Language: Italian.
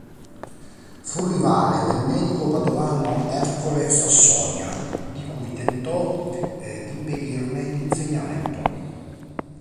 Fu rivale del medico padovano Ercole Sassonia, di cui tentò d'impedirne l'insegnamento.